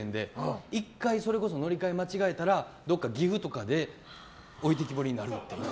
１回、それこそ乗り換えを間違えたら岐阜とかで置いてきぼりになるっていう。